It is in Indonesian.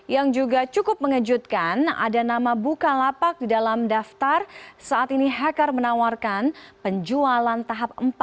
yang juga cukup mengejutkan ada nama bukalapak di dalam daftar saat ini hacker menawarkan penjualan tahap empat